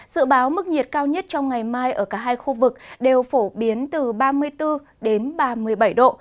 dự báo mức nhiệt cao nhất trong ngày mai ở cả hai khu vực đều phổ biến từ ba mươi bốn đến ba mươi bảy độ